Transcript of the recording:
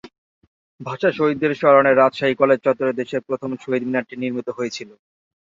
ভাষা শহীদদের স্মরণে রাজশাহী কলেজ চত্বরে দেশের প্রথম শহীদ মিনারটি নির্মিত হয়েছিল।